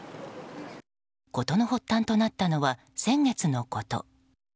事の発端となったのは先月のこと。